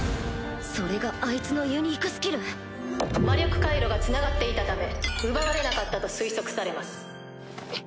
それがあいつのユニークスキル？魔力回路がつながっていたため奪われなかったと推測されます。